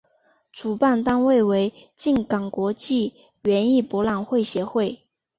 主办单位为静冈国际园艺博览会协会。